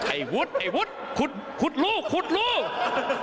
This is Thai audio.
ไอวุดไอวุดขุดลูกขุดลูก